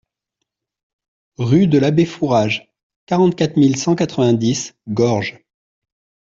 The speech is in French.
Rue de l'Abbé Fourage, quarante-quatre mille cent quatre-vingt-dix Gorges